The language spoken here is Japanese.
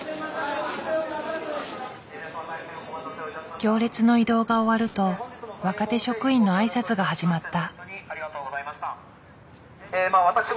行列の移動が終わると若手職員の挨拶が始まった。